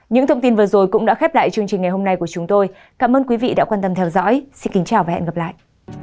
những thông tin vừa rồi cũng đã khép lại chương trình ngày hôm nay của chúng tôi cảm ơn quý vị đã quan tâm theo dõi xin kính chào và hẹn gặp lại